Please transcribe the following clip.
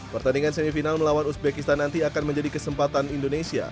pertandingan semifinal melawan uzbekistan nanti akan menjadi kesempatan indonesia